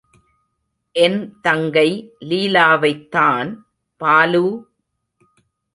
என் தங்கை லீலாவைத் தான் பாலு!